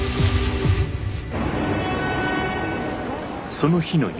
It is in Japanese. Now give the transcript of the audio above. その日の夜。